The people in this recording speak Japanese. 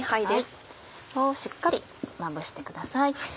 しっかりまぶしてください。